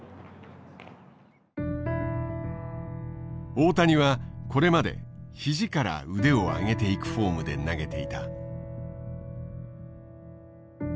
大谷はこれまで肘から腕を上げていくフォームで投げていた。